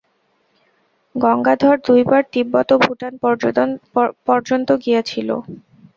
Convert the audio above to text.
গঙ্গাধর দুইবার তিব্বত ও ভূটান পর্যন্ত গিয়াছিল।